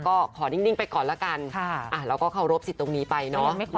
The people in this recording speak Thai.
ก็ขอนิ่งไปก่อนละกันเราก็เคารพสิทธิ์ตรงนี้ไปเนาะ